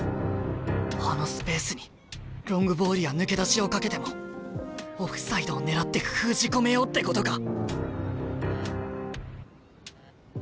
あのスペースにロングボールや抜け出しをかけてもオフサイドを狙って封じ込めようってことか。